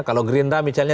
kalau gerinda misalnya